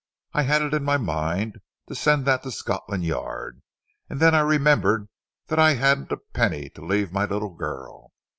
I had it in my mind to send that to Scotland Yard, and then I remembered that I hadn't a penny to leave my little girl.